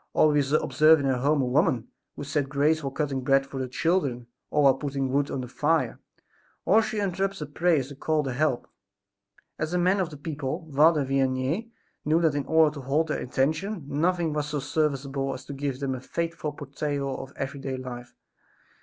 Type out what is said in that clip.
Or, we observe in her home a woman, who said grace while cutting bread for the children or while putting wood on the fire, or she interrupts her prayers to call the help." As a man of the people, Father Vianney knew that in order to hold their attention nothing was so serviceable as to give them a faithful portrayal of every day life.